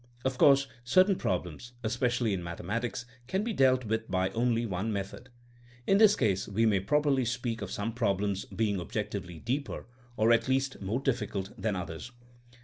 Of course certain problems, especially in mathematics, can be dealt with by only one method. In this case we may properly speak of some problems being objectively deeper or at least more difficult than others.